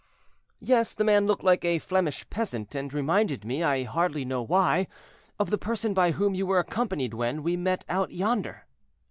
"Yes; the man looked like a Flemish peasant, and reminded me, I hardly know why, of the person by whom you were accompanied when we met out yonder."